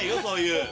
そういう。